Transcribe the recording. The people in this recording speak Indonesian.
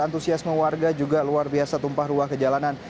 antusiasme warga juga luar biasa tumpah ruah kejalanan